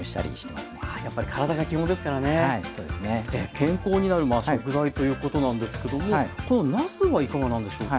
健康になる食材ということなんですけどもこのなすはいかがなんでしょうか。